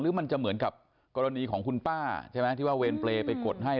หรือมันจะเหมือนกับกรณีของคุณป้าที่ว่าเวนเปรย์ไปกดให้